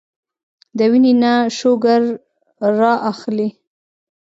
د وينې نه شوګر را اخلي